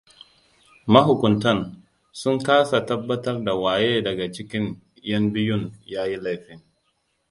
Mahukuntan sun kasa tabbatar da waye daga cikin 'yan biyun yayi laifin.